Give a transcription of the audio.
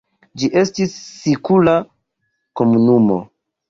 Ĝi estis sikula komunumo.